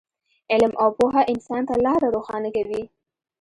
علم او پوهه انسان ته لاره روښانه کوي.